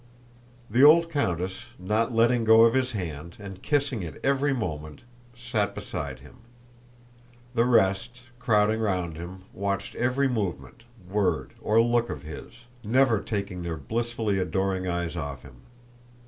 The old countess, not letting go of his hand and kissing it every moment, sat beside him: the rest, crowding round him, watched every movement, word, or look of his, never taking their blissfully adoring eyes off him.